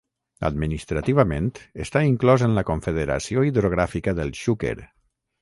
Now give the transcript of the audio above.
Administrativament està inclòs en la Confederació Hidrogràfica del Xúquer.